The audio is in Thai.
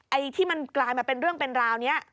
ไอ้ที่มันกลายมาเป็นเรื่องเป็นราวนี้